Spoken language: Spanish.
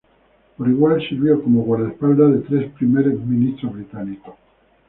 Por igual sirvió como guardaespaldas de tres primer ministro británicos.